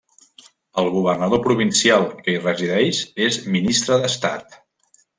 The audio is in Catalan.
El governador provincial que hi resideix es ministre d'Estat.